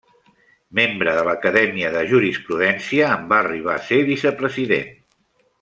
Membre de l'Acadèmia de Jurisprudència, en va arribar a ser vicepresident.